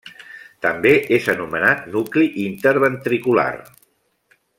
També és anomenat nucli interventricular.